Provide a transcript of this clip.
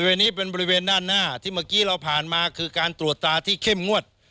นี้เป็นบริเวณด้านหน้าที่เมื่อกี้เราผ่านมาคือการตรวจตาที่เข้มงวด